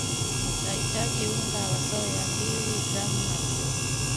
utahitaji unga wa soya mbili gram hamsini